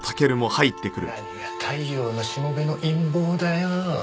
何が太陽のしもべの陰謀だよ。